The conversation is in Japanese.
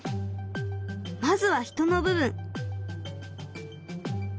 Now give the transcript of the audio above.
まずは人の部分。